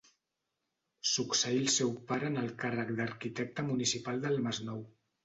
Succeí el seu pare en el càrrec d'arquitecte municipal del Masnou.